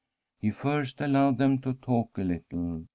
He first allowed them to talk a little.